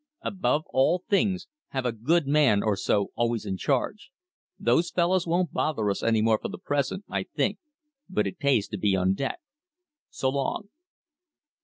Above all things, have a good man or so always in charge. Those fellows won't bother us any more for the present, I think; but it pays to be on deck. So long."